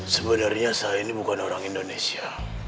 sebenarnya saya ini bukan orang indonesia